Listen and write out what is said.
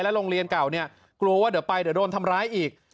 โรงเรียนเก่าเนี่ยกลัวว่าเดี๋ยวไปเดี๋ยวโดนทำร้ายอีก